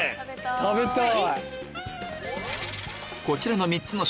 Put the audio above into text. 食べたい。